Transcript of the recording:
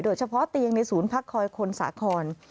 โดยเฉพาะเตียงในศูนย์พักคอยคนสาคร